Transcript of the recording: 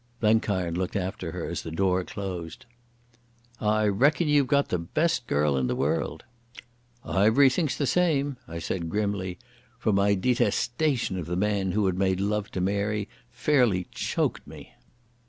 Blenkiron looked after her as the door closed. "I reckon you've got the best girl in the world." "Ivery thinks the same," I said grimly, for my detestation of the man who had made love to Mary fairly choked me.